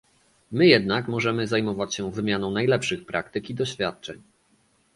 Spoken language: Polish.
My jednak możemy zajmować się wymianą najlepszych praktyk i doświadczeń